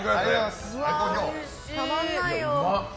たまんないよ。